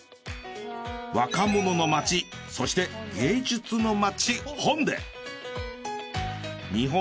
若者の街そして芸術の街弘大。